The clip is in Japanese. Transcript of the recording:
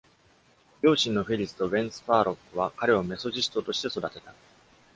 両親のフィリスとベン・スパーロックは彼をメソジストとして育てた。